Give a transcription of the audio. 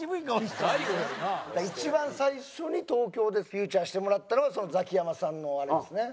一番最初に東京でフィーチャーしてもらったのがザキヤマさんのあれですね。